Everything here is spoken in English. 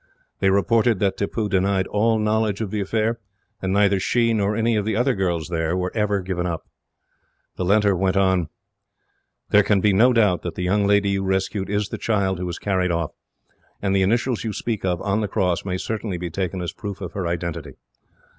They reported that Tippoo denied all knowledge of the affair, and neither she, nor any of the other girls there, were ever given up. The letter went on: "There can be no doubt that the young lady you rescued is the child who was carried off, and the initials you speak of, on the cross, may certainly be taken as proof of her identity.